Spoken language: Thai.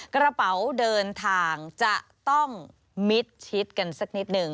กระเป๋าเดินทางจะต้องมิดชิดกันสักนิดหนึ่ง